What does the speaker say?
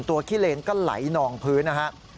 ขี้เลนก็ไหลนองพื้นนะครับ